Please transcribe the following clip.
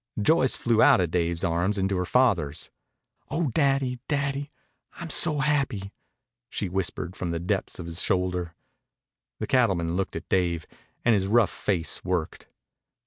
Joyce flew out of Dave's arms into her father's. "Oh, Daddy, Daddy, I'm so happy," she whispered from the depths of his shoulder. The cattleman looked at Dave, and his rough face worked.